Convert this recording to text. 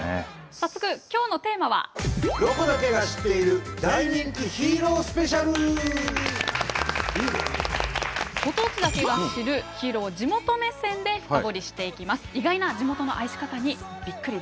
早速ご当地だけが知るヒーローを地元目線で深掘りしていきます。